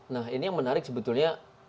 nah ini yang menarik sebetulnya